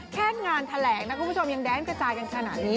แค่งานแถลงนะคุณผู้ชมยังแดนกระจายกันขนาดนี้